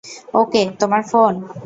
ওকে, তোমার ফোন।